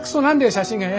写真が。